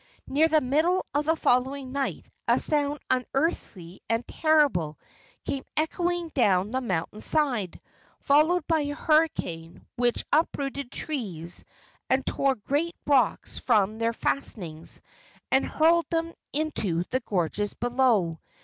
Near the middle of the following night a sound unearthly and terrible came echoing down the mountain side, followed by a hurricane which uprooted trees and tore great rocks from their fastenings and hurled them into the gorges below.